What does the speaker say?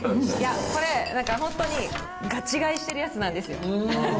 これガチ買いしてるやつなんですよ。